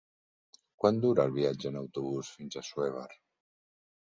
Quant dura el viatge en autobús fins a Assuévar?